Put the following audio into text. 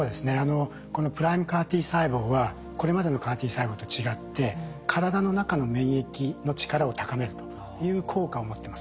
このＰＲＩＭＥＣＡＲ−Ｔ細胞はこれまでのＣＡＲ−Ｔ細胞と違って体の中の免疫の力を高めるという効果を持ってます。